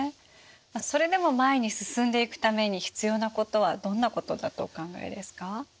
それでも前に進んでいくために必要なことはどんなことだとお考えですか？